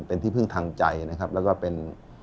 เป็นที่พึ่งทางใจนะครับแล้วก็เป็น